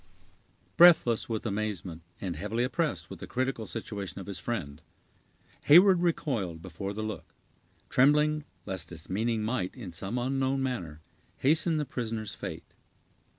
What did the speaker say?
Breathless with amazement, and heavily oppressed with the critical situation of his friend, Heyward recoiled before the look, trembling lest its meaning might, in some unknown manner, hasten the prisoner's fate.